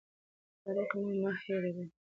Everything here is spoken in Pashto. تاریخ مو مه هېروه.